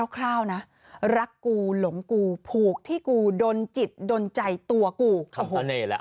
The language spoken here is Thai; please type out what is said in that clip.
คร่าวนะรักกูหลงกูผูกที่กูดนจิตดนใจตัวกูเสน่ห์แล้ว